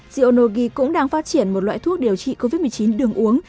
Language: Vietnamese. xionogi cũng đang phát triển một loại thuốc điều trị covid một mươi chín đường uống